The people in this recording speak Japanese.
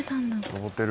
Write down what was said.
「上ってる」